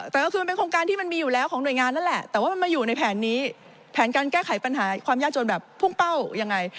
แต่ก็คือมันเป็นโครงการที่มันมีอยู่แล้วของหน่วยงานนั่นแหละแต่ว่ามันมาอยู่ในแผนนี้แผนการแก้ไขปัญหาความยากจนแบบพุ่งเป้ายังไง